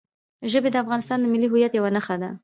ژبې د افغانستان د ملي هویت یوه نښه ده.